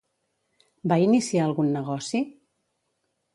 Va iniciar algun negoci?